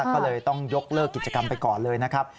ก็เลยต้องยกเลิกกิจกรรมไปก่อนเลยนะครับ